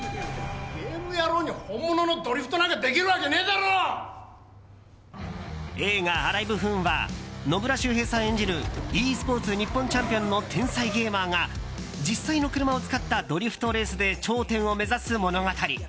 ゲーム野郎に本物のドリフトなんか映画「アライブフーン」は野村周平さん演じるｅスポーツ日本チャンピオンの天才ゲーマーが実際の車を使ったドリフトレースで頂点を目指す物語。